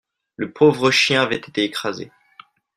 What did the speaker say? Le pauvre chien avait été écrasé.